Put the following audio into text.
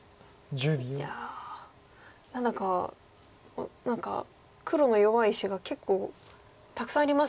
いや何だか何か黒の弱い石が結構たくさんありますね。